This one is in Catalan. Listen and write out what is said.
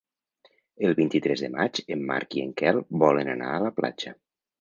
El vint-i-tres de maig en Marc i en Quel volen anar a la platja.